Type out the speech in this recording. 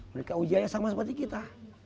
mereka ujaya sama seperti kita